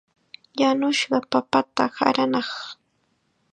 Yanushqa papata qaranaaq.